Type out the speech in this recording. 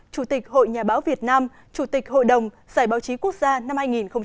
chủ tịch hội nhà báo việt nam chủ tịch hội đồng giải báo chí quốc gia năm hai nghìn một mươi chín